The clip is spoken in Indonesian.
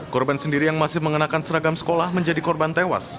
korban sendiri yang masih mengenakan seragam sekolah menjadi korban tewas